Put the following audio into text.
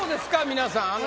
皆さん。